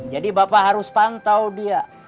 jadi bapak harus pantau dia